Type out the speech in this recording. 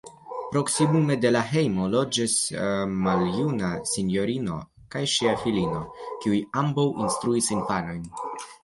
Proksime de la hejmo loĝis maljuna sinjorino kaj ŝia filino, kiuj ambaŭ instruis infanojn.